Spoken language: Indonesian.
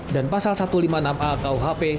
dan pasal satu ratus lima puluh enam a kuhp